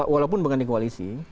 walaupun bukan di koalisi